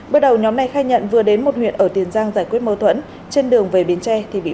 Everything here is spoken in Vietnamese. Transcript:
bước đầu nhóm này khai nhận vừa đến một huyện ở tiền giang giải quyết mâu thuẫn trên đường về biến tre thì bị